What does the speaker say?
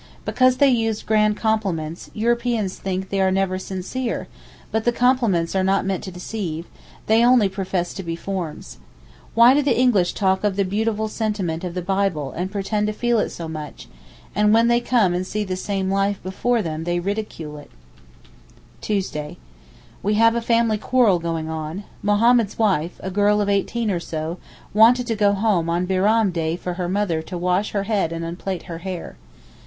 Because they use grand compliments, Europeans think they are never sincere, but the compliments are not meant to deceive, they only profess to be forms. Why do the English talk of the beautiful sentiment of the Bible and pretend to feel it so much, and when they come and see the same life before them they ridicule it. [Picture: Omar, 1864, from a photograph] Tuesday.—We have a family quarrel going on. Mohammed's wife, a girl of eighteen or so, wanted to go home on Bairam day for her mother to wash her head and unplait her hair.